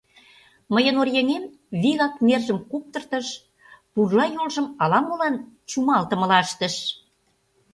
Мыйын оръеҥем вигак нержым куптыртыш, пурла йолжым ала-молан чумалтымыла ыштыш.